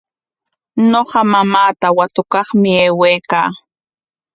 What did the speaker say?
Ñuqa mamaata watukaqmi aywaykaa.